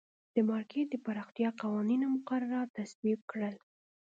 د مارکېټ د پراختیا قوانین او مقررات تصویب کړل.